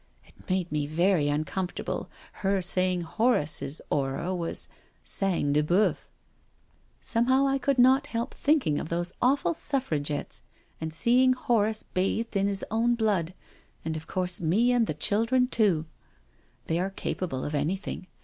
It made me very uncomfortable her saying Horace's aura was sang de bauf. Somehow { IN MIDDLEHAM CHURCH xgi could not help thinking of those awful Suffragettes and seeing Horace bathed in his own blood, and of course me and the children too* They are capable of any thing!